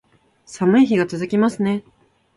寒い日が続きますね